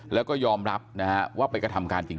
แล้วก็ยอมรับนะฮะว่าไปกระทำการจริง